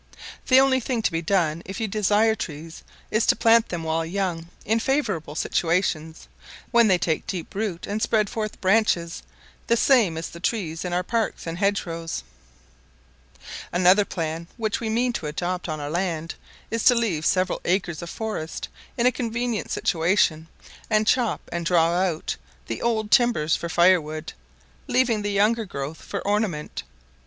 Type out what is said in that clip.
The only thing to be done if you desire trees, is to plant them while young in favourable situations, when they take deep root and spread forth branches the same as the trees in our parks and hedge rows. Another plan which we mean to adopt on our land is to leave several acres of forest in a convenient situation, and chop and draw out the old timbers for fire wood, leaving the younger growth for ornament.